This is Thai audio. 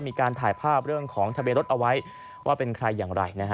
มีการถ่ายภาพเรื่องของทะเบียนรถเอาไว้ว่าเป็นใครอย่างไรนะฮะ